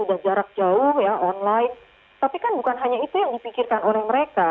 walaupun sekarang sekolahnya sudah jarak jauh online tapi kan bukan hanya itu yang dipikirkan oleh mereka